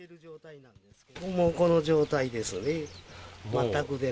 もうこの状態ですね。